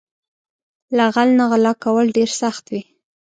له غل نه غلا کول ډېر سخت وي